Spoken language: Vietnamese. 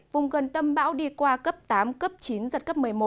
vùng gần tâm bão đi qua cấp tám cấp chín giật cấp một mươi một